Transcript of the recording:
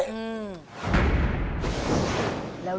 แล้วเลิกแล้ว